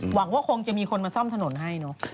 หวังว่าคงจะมีคนมาซ่อมถนนให้เนอะ